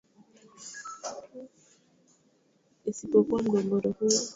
hayata hayaushtui umoja wa nato isipokuwa mgogoro huo